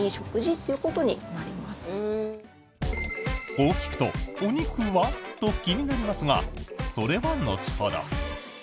こう聞くとお肉は？と気になりますがそれは後ほど。